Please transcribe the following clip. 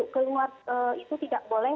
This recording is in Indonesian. keluar itu tidak boleh